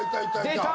出た！